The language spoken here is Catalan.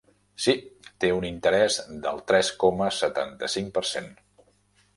Sí, té un interès del tres coma setanta-cinc per cent.